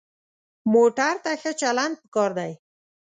موټر ته ښه چلند پکار دی.